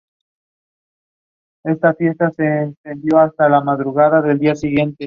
Además, su efigie figura en todas las monedas de un dólar jamaiquino.